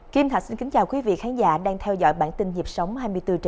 kim thạch xin kính chào quý vị khán giả đang theo dõi bản tin nhịp sống hai mươi bốn h